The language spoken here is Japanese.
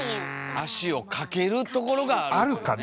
「足をかけるところがあるか」ね？